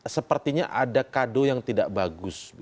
sepertinya ada kado yang tidak bagus